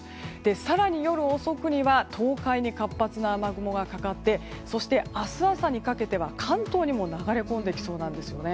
更に夜遅くには東海に活発な雨雲がかかってそして、明日朝にかけては関東にも流れ込んできそうです。